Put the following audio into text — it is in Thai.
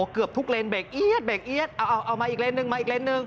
เกือบทุกเลนเบรกเอี๊ยดเอามาอีกเลนเอามาอีกเลน